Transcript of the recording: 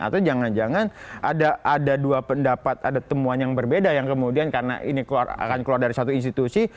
atau jangan jangan ada dua pendapat ada temuan yang berbeda yang kemudian karena ini akan keluar dari satu institusi